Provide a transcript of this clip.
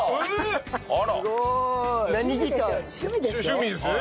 趣味ですよ。